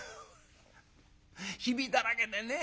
「ひびだらけでねえ